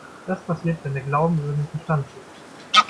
Das passiert, wenn der Glauben über den Verstand siegt.